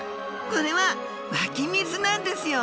これは湧き水なんですよ！